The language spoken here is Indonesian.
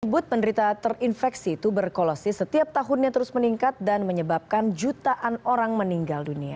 sebut penderita terinfeksi tuberkulosis setiap tahunnya terus meningkat dan menyebabkan jutaan orang meninggal dunia